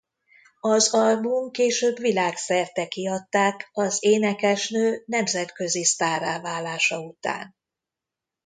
Az album később világszerte kiadták az énekesnő nemzetközi sztárrá válása után.